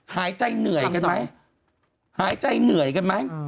หายใจเหนื่อยกันไหม